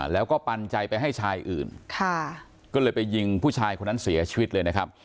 แล้วก็ปันใจไปให้ชายอื่นค่ะก็เลยไปยิงผู้ชายคนนั้นเสียชีวิตเลยนะครับ